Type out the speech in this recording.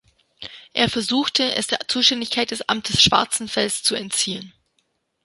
Er versuchte es der Zuständigkeit des Amtes Schwarzenfels zu entziehen.